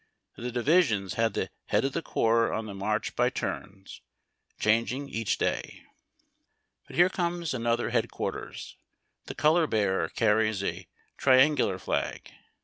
The divisions had the lead of the corps ou the march by turns, changing each day. But here comes another headquarters. The color bearer carries a tria^igular flag.